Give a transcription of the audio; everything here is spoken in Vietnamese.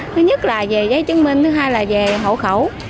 thứ nhất là về giấy chứng minh thứ hai là về hậu khẩu